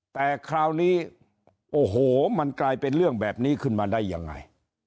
แต่คราวนี้โอ้โหมันกลายเป็นเรื่องแบบนี้ขึ้นมาได้ยังไง